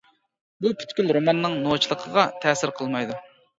بۇ پۈتكۈل روماننىڭ نوچىلىقىغا تەسىر قىلمايدۇ.